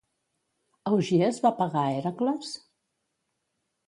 Augies va pagar Hèracles?